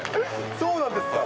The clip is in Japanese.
そうなんですか。